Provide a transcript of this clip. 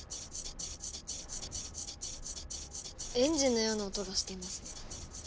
エンジンのような音がしていますね。